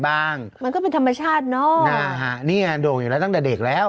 มันก็เป็นธรรมชาติเนอะนะฮะเนี่ยโด่งอยู่แล้วตั้งแต่เด็กแล้ว